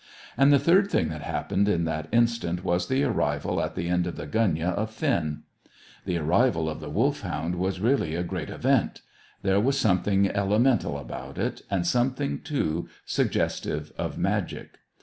And the third thing that happened in that instant was the arrival at the end of the gunyah of Finn. The arrival of the Wolfhound was really a great event. There was something elemental about it, and something, too, suggestive of magic.